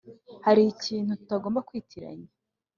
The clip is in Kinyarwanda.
hari ikintu tutagomba kwitiranya